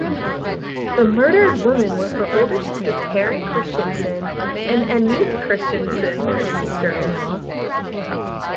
The murdered women were her older sister Karen Christensen and Anethe Christensen, their sister-in-law.